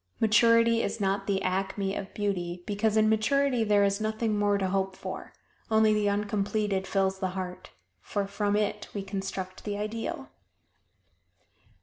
Maturity is not the acme of beauty, because in maturity there is nothing more to hope for only the uncompleted fills the heart, for from it we construct the Ideal.